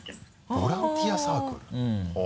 ボランティアサークルほぉ。